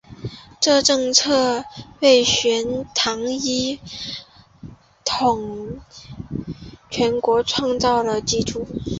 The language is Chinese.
这政策为隋唐一统全国创造了基础。